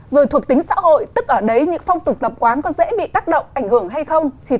rồi thuộc tính xã hội tức ở đấy những phong tục tập quán có dễ bị tác động ảnh hưởng hay không